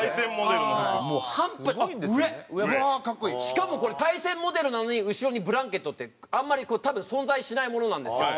しかもこれ大戦モデルなのに後ろにブランケットってあんまり多分存在しないものなんですよ。